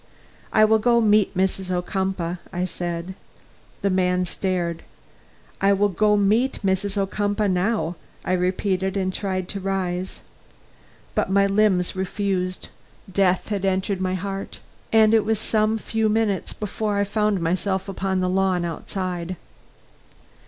"I will go meet Mrs. Ocumpaugh," I said. The man stared. "I will go meet Mrs. Ocumpaugh now," I repeated, and tried to rise. But my limbs refused; death had entered my heart, and it was some few minutes before I found myself upon the lawn outside.